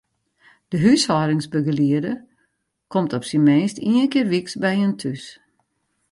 De húshâldingsbegelieder komt op syn minst ien kear wyks by jin thús.